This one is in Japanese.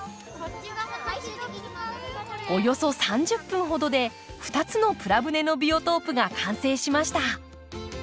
およそ３０分ほどで２つのプラ舟のビオトープが完成しました。